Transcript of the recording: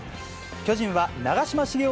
巨人は長嶋茂雄